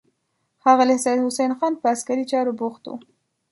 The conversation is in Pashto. ښاغلی سید حسن خان په عسکري چارو بوخت و.